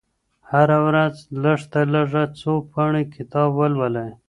هره ورځ لږترلږه څو پاڼې کتاب ولولئ.